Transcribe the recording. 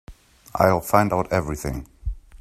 I'll find out everything.